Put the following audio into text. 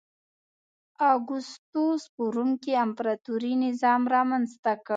اګوستوس په روم کې امپراتوري نظام رامنځته کړ.